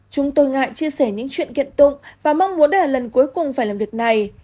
chúng tôi ngại chia sẻ những chuyện kiện tụng và mong muốn đây là lần cuối cùng phải làm việc này